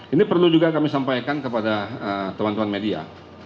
ini perlu juga kami sampaikan kepada teman teman media